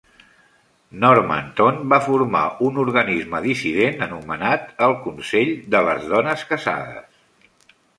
Normanton va formar un organisme dissident anomenat el Consell de les dones casades.